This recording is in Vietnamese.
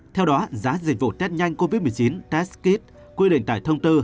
theo đó giá dịch vụ test nhanh covid một mươi chín test kit quy định tại thông tư